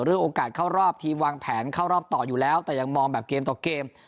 โอกาสเข้ารอบทีมวางแผนเข้ารอบต่ออยู่แล้วแต่ยังมองแบบเกมต่อเกม